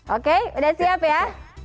oke sudah siap ya